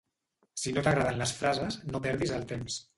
Si no t'agraden les frases, no perdis el temps.